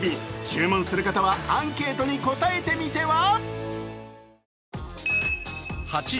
注文する方はアンケートに答えてみては？